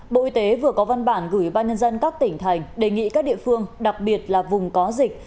bộ y tế vừa có văn bản gửi ba nhân dân các tỉnh thành đề nghị các địa phương đặc biệt là vùng có dịch